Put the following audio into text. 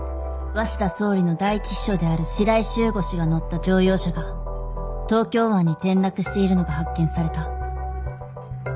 鷲田総理の第一秘書である白井柊吾氏が乗った乗用車が東京湾に転落しているのが発見された。